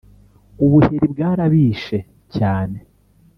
ubuheri bwarabishe, cyane